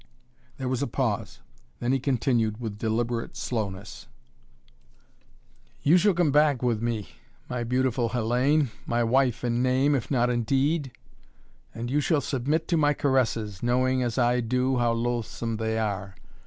There was a pause, then he continued, with deliberate slowness: "You shall come back with me my beautiful Hellayne my wife in name, if not in deed! And you shall submit to my caresses, knowing, as I do, how loathsome they are.